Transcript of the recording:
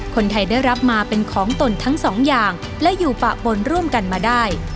คนไทยได้รับมาเป็นของตนทั้งสองอย่างและอยู่ปะปนร่วมกันมาได้